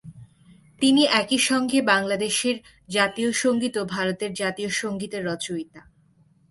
তিনি একই সঙ্গে বাংলাদেশের জাতীয় সংগীত ও ভারতের জাতীয় সংগীতের রচয়িতা।